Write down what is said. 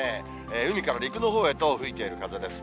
海から陸のほうへと吹いている風です。